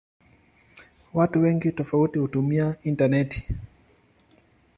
Watu wengi tofauti hutumia intaneti.